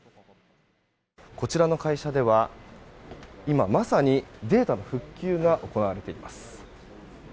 こちらの会社では今まさにデータの復旧が行われています。